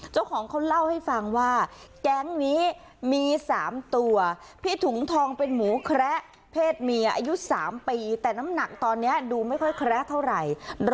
เจ้าของเขาเล่าให้ฟังว่าแก๊งนี้มี๓ตัวพี่ถุงทองเป็นหมูแคระเพศเมียอายุ๓ปีแต่น้ำหนักตอนนี้ดูไม่ค่อยแคระเท่าไหร่